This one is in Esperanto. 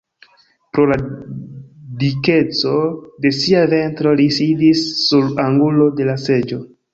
Pro la dikeco de sia ventro li sidis sur angulo de la seĝo.